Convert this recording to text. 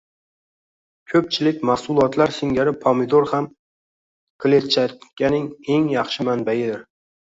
Ko‘pchilik mahsulotlar singari pomidor ham kletchatkaning eng yaxshi manbayidir